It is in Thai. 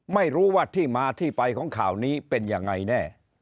ไม่รู้ว่าที่มาที่ไปของข่าวนี้เป็นยังไงแน่